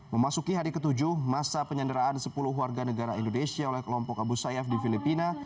memasuki hari ke tujuh masa penyanderaan sepuluh warga negara indonesia oleh kelompok abu sayyaf di filipina